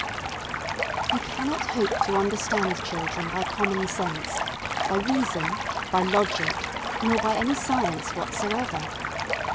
You cannot hope to understand children by common sense, by reason, by logic, nor by any science whatsoever.